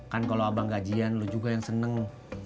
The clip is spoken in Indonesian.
kan kalau abang gajian lu juga yang seneng